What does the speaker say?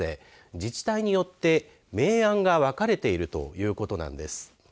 自治体によって明暗が分かれているということなんです。